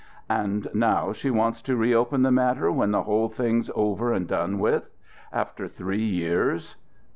"And now she wants to reopen the matter when the whole thing's over and done with. After three years.